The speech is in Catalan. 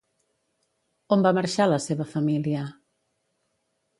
On va marxar la seva família?